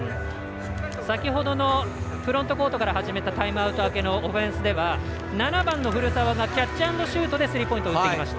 先ほどのフロントコートから始めたタイムアウト明けでは７番の古澤がキャッチアンドシュートでスリーポイント打ってきました。